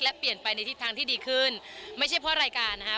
และเปลี่ยนไปในทิศทางที่ดีขึ้นไม่ใช่เพราะรายการนะคะ